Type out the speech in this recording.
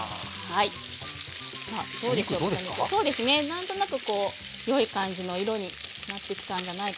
何となくこうよい感じの色になってきたんじゃないかなと思います。